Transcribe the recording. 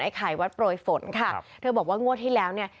ไข่วัดโปรยฝนค่ะครับเธอบอกว่างวดที่แล้วเนี่ย